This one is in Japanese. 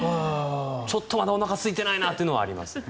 ちょっとまだおなかすいてないなというのはあります。